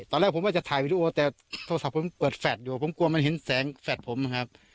ตอนแรกผมว่าจะถ่ายวีดีโอแต่โทรศัพท์ผมเปิดแฟลตอยู่ผมกลัวมันเห็นแสงแฟลตผมนะครับ